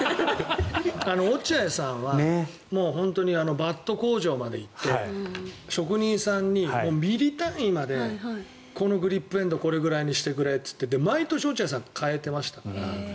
落合さんは本当にバット工場まで行って職人さんにミリ単位までこのグリップエンドこれくらいにしてくれって毎年落合さん変えてましたから。